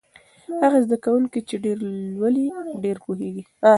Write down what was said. هغه زده کوونکی چې ډېر لولي ډېر پوهېږي.